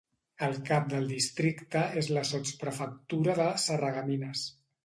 El cap del districte és la sotsprefectura de Sarreguemines.